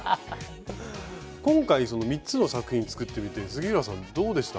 今回その３つの作品作ってみて杉浦さんどうでした？